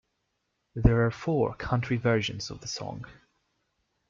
There are four country versions of the song.